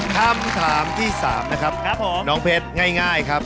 คำถามที่๓นะครับผมน้องเพชรง่ายครับ